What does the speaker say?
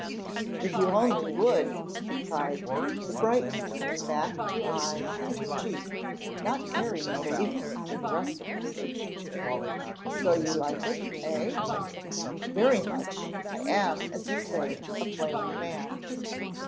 "If you only would!" he cried, the brightness coming back to eye and cheek, not caring in the least for the rest of her words. "So you like it, eh?" "Very much. I am, as you say, a plain man."